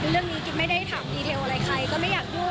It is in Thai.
เรื่องนี้กิ๊บไม่ได้ถามดีเทลอะไรใครก็ไม่อยากดู